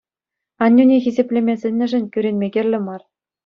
Аннӳне хисеплеме сӗннӗшӗн кӳренме кирлӗ мар.